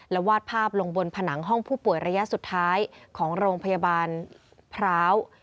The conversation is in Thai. และวาดภาพลงบนผนังห้องผู้ป่วยระยะสุดท้ายของโรงพยาบาลพร้าว